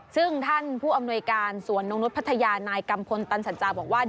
ซึ่งท่านผู้อำนวยการสวนนกนุษย์พัทยานายกัมพลตันสัจจาบอกว่า